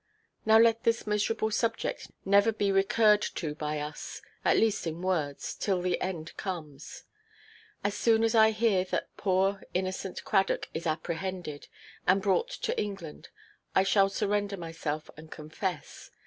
Now let this miserable subject never be recurred to by us, at least in words, till the end comes. As soon as I hear that poor innocent Cradock is apprehended, and brought to England, I shall surrender myself and confess.